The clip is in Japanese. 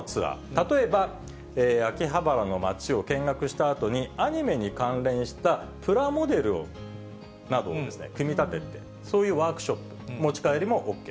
例えば、秋葉原の街を見学したあとに、アニメに関連したプラモデルなどを組み立てて、そういうワークショップ、持ち帰りもＯＫ。